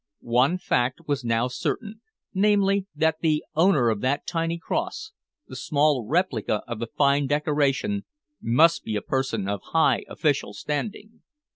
One fact was now certain, namely, that the owner of that tiny cross, the small replica of the fine decoration, must be a person of high official standing.